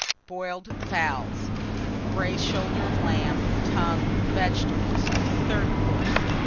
Boiled Fowls. Braised Shoulder of Lamb. Tongue. Vegetables. THIRD COURSE.